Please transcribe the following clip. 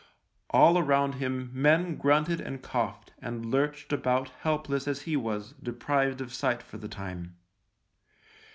Ail around him men grunted and coughed, and lurched about helpless as he was, deprived of sight for the time.